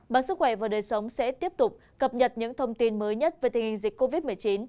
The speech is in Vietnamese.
bản sức khỏe và đời sống sẽ tiếp tục cập nhật những thông tin mới nhất về tình hình dịch covid một mươi chín